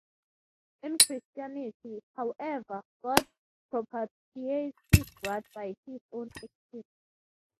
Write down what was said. In Christianity, however, God propitiates his wrath by his own action.